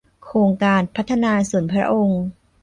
โครงการพัฒนาส่วนพระองค์